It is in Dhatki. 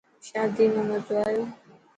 شادي ۾ مزو آيو.